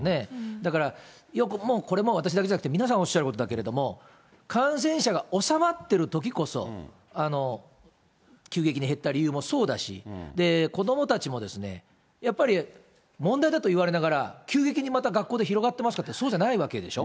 だから、これはもう、私だけじゃなくて皆さんおっしゃることだけれども、感染者が収まってるときこそ、急激に減った理由もそうだし、子どもたちもやっぱり問題だと言われながら、急激にまた学校で広がってますかって、そうじゃないわけでしょ。